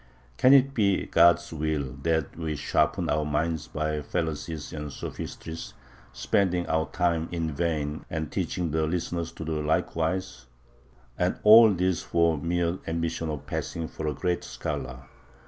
Can it be God's will that we sharpen our minds by fallacies and sophistries, spending our time in vain and teaching the listeners to do likewise? And all this for the mere ambition of passing for a great scholar!...